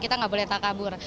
kita gak boleh takabur